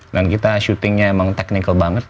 dan kita shootingnya emang technical banget